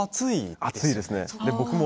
暑いですね。